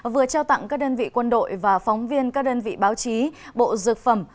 vừa trao tặng các đơn vị quân đội và phóng viên các đơn vị báo chí bộ dược phẩm